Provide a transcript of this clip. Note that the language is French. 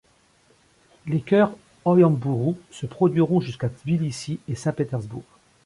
Les chœurs Oyhamburu se produiront jusqu'à Tbilissi et Saint-Pétersbourg.